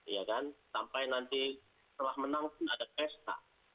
ya kan sampai nanti setelah menang pun ada pesta